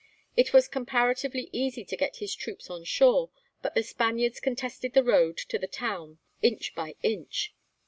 It was comparatively easy to get his troops on shore, but the Spaniards contested the road to the town inch by inch.